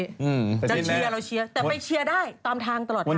เราเชียร์แต่ไปเชียร์ได้ตามทางตลอดทาง